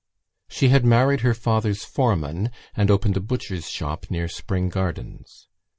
She had married her father's foreman and opened a butcher's shop near Spring Gardens.